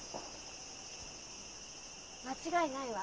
間違いないわ。